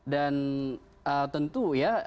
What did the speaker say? dan tentu ya